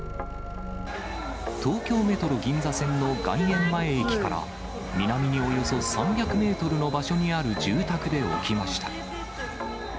東京メトロ銀座線の外苑前駅から南におよそ３００メートルの場所にある住宅で起きました。